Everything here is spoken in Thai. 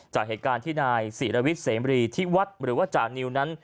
จากเหตุการณ์ที่นายศิรวิทย์เสมรีที่วัดหรือว่าจานิวนั้น